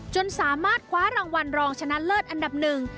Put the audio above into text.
จนสามารถคว้ารางวัลรองชนะเลิศอันดับหนึ่ง